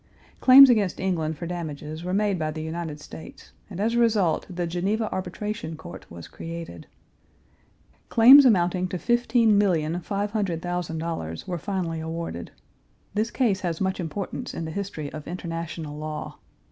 Claims against England for damages were made by the United States, and as a result the Geneva Arbitration Court was created. Claims amounting to $15,500,000 were finally awarded. This case has much importance in the history of international law.